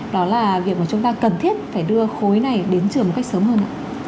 đó là việc mà chúng ta cần thiết phải đưa khối này đến trường một cách sớm hơn